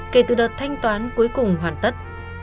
kể từ đợt thanh toán cuối cùng hoàn tất